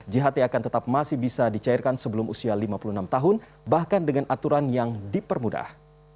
jht akan tetap masih bisa dicairkan sebelum usia lima puluh enam tahun bahkan dengan aturan yang dipermudah